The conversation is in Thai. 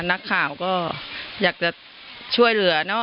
นักข่าวก็อยากจะช่วยเหลือเนอะ